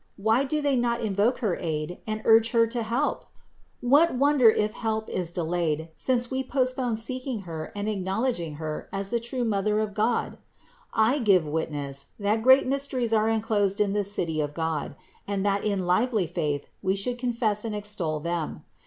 Why do they not invoke her aid and urge Her to help ? What wonder if help is delayed, since we postpone seeking Her and acknowledging Her as the true Mother of God? I give witness, that great mysteries are enclosed in this City of God and that in lively faith we should confess and extol them.